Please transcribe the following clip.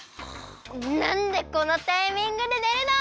なんでこのタイミングでねるの！？